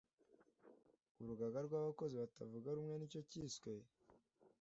Urugaga rw’abakozi batavuga rumwe nicyo cyiswe